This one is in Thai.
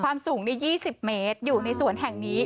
ความสูงใน๒๐เมตรอยู่ในสวนแห่งนี้